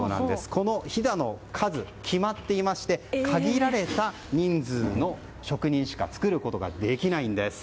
このひだの数、決まっていまして限られた人数の職人しか作ることができないんです。